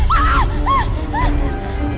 kok kuncinya gak ada